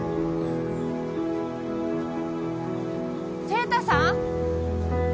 晴太さん？